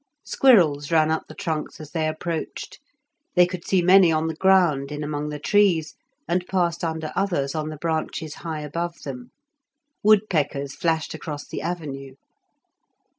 Squirrels ran up the trunks as they approached; they could see many on the ground in among the trees, and passed under others on the branches high above them. Woodpeckers flashed across the avenue.